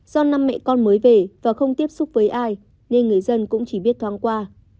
do năm mẹ con mới về và không tiếp xúc với ai nên người dân cũng chỉ biết thoáng qua